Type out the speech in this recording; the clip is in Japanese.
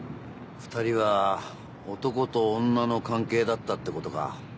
二人は男と女の関係だったってことか。